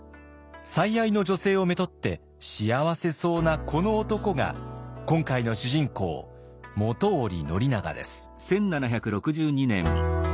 最愛の女性をめとって幸せそうなこの男が今回の主人公本居宣長です。